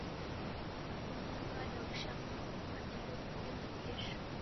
Omoni wadaghusha mapema eri uw'uke nakesho.